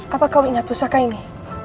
apa kau ingat pusaka ini